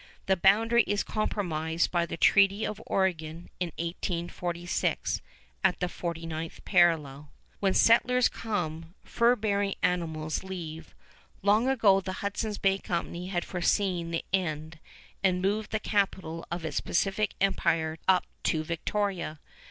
The boundary is compromised by the Treaty of Oregon in 1846 at the 49th parallel. When settlers come, fur bearing animals leave. Long ago the Hudson's Bay Company had foreseen the end and moved the capital of its Pacific Empire up to Victoria.